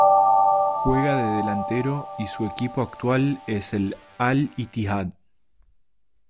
Juega de Delantero y su equipo actual es el Al-Ittihad.